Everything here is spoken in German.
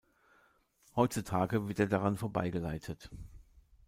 Heutzutage wird er daran vorbei geleitet.